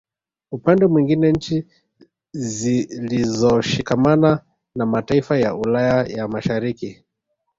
Upande mwingine nchi zilizoshikamana na mataifa ya Ulaya ya Mashariki